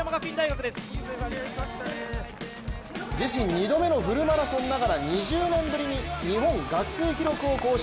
自身２度目のフルマラソンながら２０年ぶりに日本学生記録を更新。